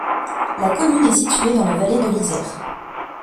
La commune est située dans la vallée de l'Isère.